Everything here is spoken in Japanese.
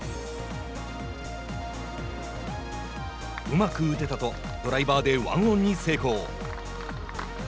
「うまく打てた」とドライバーでワンオンに成功。